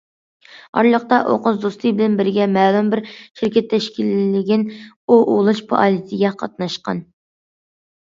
ئارىلىقتا ئۇ قىز دوستى بىلەن بىرگە مەلۇم بىر شىركەت تەشكىللىگەن ئوۋ ئوۋلاش پائالىيىتىگە قاتناشقان.